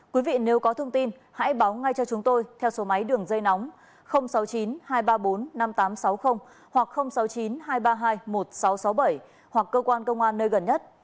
quý vị nếu có thông tin hãy báo ngay cho chúng tôi theo số máy đường dây nóng sáu mươi chín hai trăm ba mươi bốn năm nghìn tám trăm sáu mươi hoặc sáu mươi chín hai trăm ba mươi hai một nghìn sáu trăm sáu mươi bảy hoặc cơ quan công an nơi gần nhất